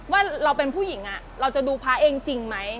ว่าเราเป็นผู้หญิงเราจะดูพระเองจริงไหม